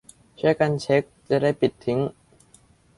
ช่วยกันเช็ค จะได้ปิดทิ้ง